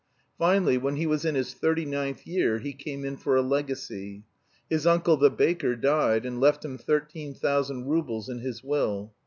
Finally, when he was in his thirty ninth year, he came in for a legacy. His uncle the baker died, and left him thirteen thousand roubles in his will.